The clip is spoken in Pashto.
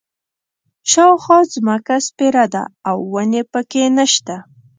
شاوخوا ځمکه سپېره ده او ونې په کې نه شته.